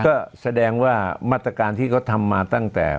ก็แสดงว่ามาตรการที่เขาทำมาตั้งแต่